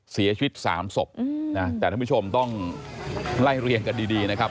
เสียชีวิตสามศพนะแต่ท่านผู้ชมต้องไล่เรียงกันดีนะครับ